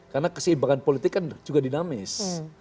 karena keseimbangan politik juga dinamis